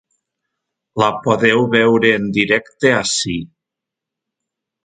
La podeu veure en directe ací.